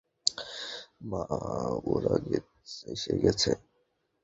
মা, ওরা এসে গেছে।